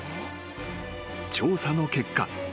［調査の結果］